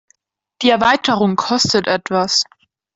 Die Erweiterung kostet etwas.